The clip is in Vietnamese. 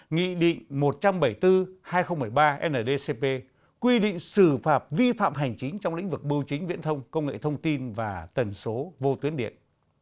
nghị định một trăm bảy mươi bốn hai nghìn một mươi ba ndcp quy định xử phạt vi phạm hành chính trong lĩnh vực bưu chính viễn thông công nghệ thông tin và tần số vô tuyến điện